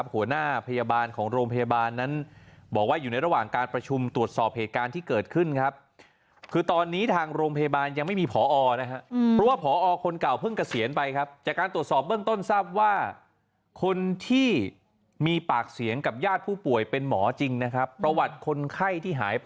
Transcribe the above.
ปกป้องคุณยายใช่ปกป้องตัวเองปกป้องคุณยาย